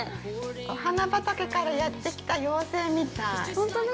◆お花畑からやってきた妖精みたい